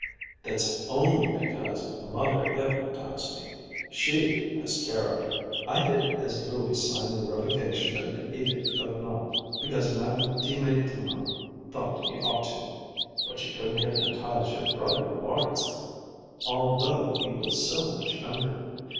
"That's only because Mother hypnotized me. She has character. I did it as Louis signed the revocation of the Edict of Nantes, because Madame de Maintenon thought he ought to." "But she couldn't hypnotize your brother Lawrence, althought he was so much younger.